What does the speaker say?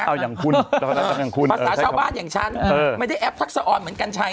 เอาอย่างคุณภาษาชาวบ้านอย่างฉันไม่ได้แอปทักษะออนเหมือนกันชัย